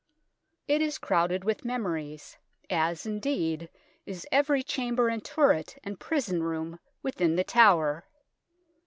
It is crowded with memories, as, indeed, is every chamber and turret and prison room within The Tower.